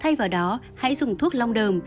thay vào đó hãy dùng thuốc long đờm